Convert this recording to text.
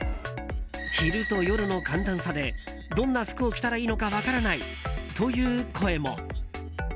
昼と夜の寒暖差でどんな服を着たらいいのか分からないという声も。